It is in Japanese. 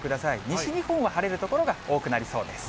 西日本は晴れる所が多くなりそうです。